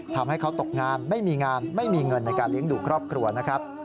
ทำให้เขาตกงานไม่มีงานไม่มีเงินในการเลี้ยงดูครอบครัวนะครับ